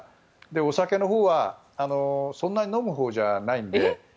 お酒のほうはそんなに飲むほうではないので。